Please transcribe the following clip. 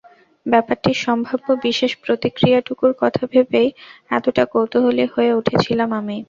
ব্যাপারটির সম্ভাব্য বিশেষ প্রতিক্রিয়াটুকুর কথা ভেবেই এতটা কৌতুহলী হয়ে উঠেছিলাম আমি।